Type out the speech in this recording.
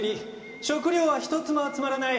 食料は一つも集まらない。